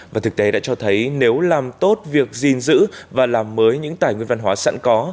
và thực tế đã cho thấy nếu làm tốt việc gìn giữ và làm mới những tài nguyên văn hóa sẵn có